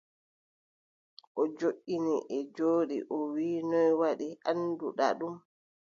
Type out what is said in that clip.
O joɗɗini, en njooɗi, o wii : noy waɗi annduɗa ɗum ?